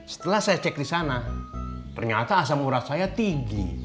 setelah saya cek di sana ternyata asam urat saya tinggi